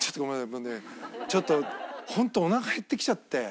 もうねちょっとホントおなか減ってきちゃって。